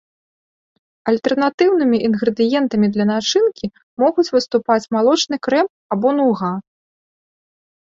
Альтэрнатыўнымі інгрэдыентамі для начынкамі могуць выступаць малочны крэм або нуга.